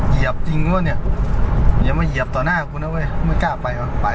เหยียบจริงวะเนี่ยอย่ามาเหยียบต่อหน้ากูนะเว้ยไม่กล้าไปว่ะไป